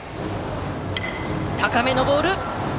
高めのボール！